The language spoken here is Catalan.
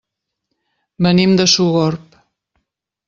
Venim de Sogorb.